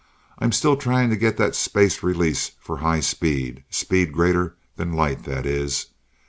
I'm still trying to get that space release for high speed speed greater than light, that is.